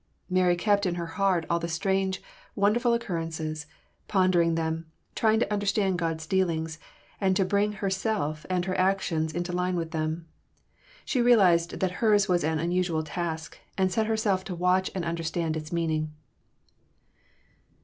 Mary kept in her heart all the strange, wonderful occurrences, pondering them, trying to understand God's dealings, and to bring herself and her actions into line with them. She realized that hers was an unusual task, and set herself to watch and understand its meaning.